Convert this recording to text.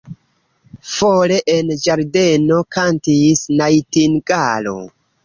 Fore, en ĝardeno, kantis najtingalo.